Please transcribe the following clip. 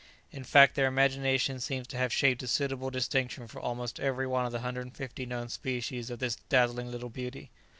In fact their imagination seems to have shaped a suitable distinction for almost every one of the 150 known species of this dazzling little beauty.